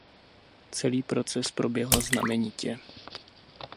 Celý proces proběhl znamenitě.